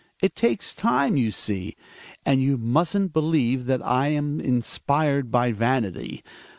It takes time, you see. And you musn't believe that I am inspired by vanity.